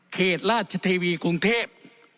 เขตราชเทวีกรุงเทพ